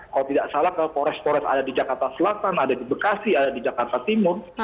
kalau tidak salah ke polres pores ada di jakarta selatan ada di bekasi ada di jakarta timur